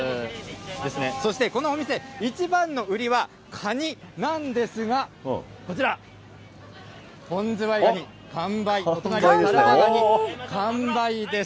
そしてこのお店、一番の売りは、カニなんですが、こちら、本ズワイガニ、完売、タラバガニ、完売です。